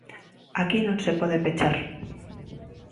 Aquí non se pode pechar.